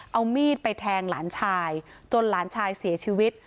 เอามีดไปแทงหลานชายจนหลานชายเสียชีวิต